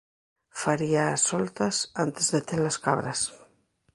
Faría as soltas antes de ter as cabras